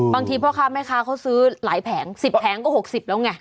พ่อค้าแม่ค้าเขาซื้อหลายแผง๑๐แผงก็๖๐แล้วไง